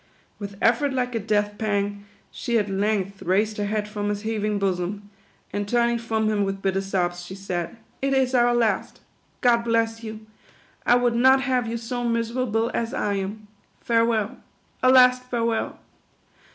With effort like a death pang, she at length raised her head from his heaving bosom, and turning from him with bitter sobs, she said, "It is our last. God bless you. I would not have you so miserable as I am. Farewell. A last farewell.